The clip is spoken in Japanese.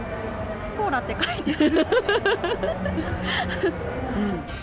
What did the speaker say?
コーラって書いてある。